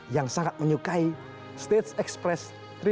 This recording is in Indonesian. yang sangat menyukai state express lima ratus lima puluh lima